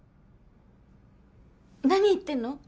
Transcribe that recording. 何言ってんの？